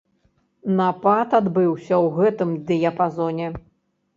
Напад адбыўся ў гэтым дыяпазоне.